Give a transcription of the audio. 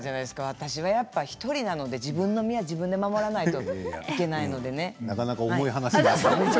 私は１人なので自分の身は自分で守らないといけないのでね。